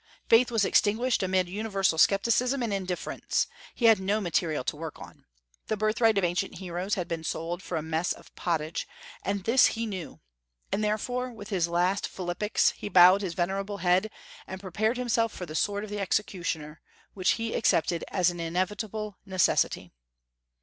Faith was extinguished amid universal scepticism and indifference. He had no material to work on. The birthright of ancient heroes had been sold for a mess of pottage, and this he knew; and therefore with his last philippics he bowed his venerable head, and prepared himself for the sword of the executioner, which he accepted as an inevitable necessity.